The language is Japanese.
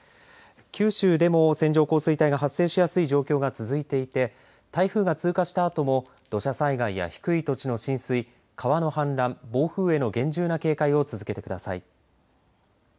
九州でも線状降水帯が発生しやすい状況が続いていて台風が通過したあとも土砂災害や低い土地の浸水、川の氾濫暴風への厳重な警戒を続けてください。